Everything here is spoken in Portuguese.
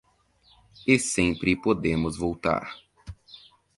E sempre podemos voltar.